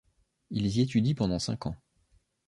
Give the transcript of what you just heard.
Ils y étudient pendant cinq ans.